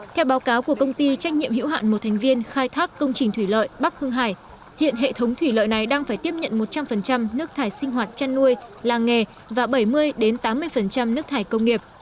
theo báo cáo của công ty trách nhiệm hữu hạn một thành viên khai thác công trình thủy lợi bắc hưng hải hiện hệ thống thủy lợi này đang phải tiếp nhận một trăm linh nước thải sinh hoạt chăn nuôi làng nghề và bảy mươi tám mươi nước thải công nghiệp